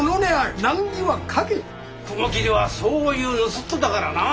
雲霧はそういう盗人だからなあ。